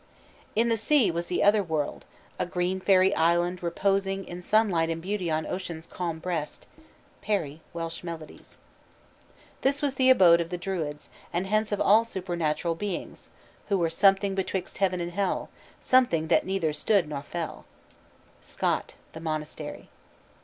In the sea was the Otherworld, a "Green fairy island reposing In sunlight and beauty on ocean's calm breast." PARRY: Welsh Melodies. This was the abode of the Druids, and hence of all supernatural beings, who were "Something betwixt heaven and hell, Something that neither stood nor fell." SCOTT: _The Monastery.